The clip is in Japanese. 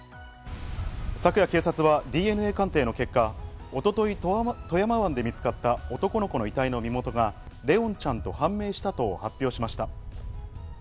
昨夜警察はＤＮＡ鑑定の結果、一昨日富山湾で見つかった男の子の遺体の身元が怜音ちゃんと判明したと発表しました。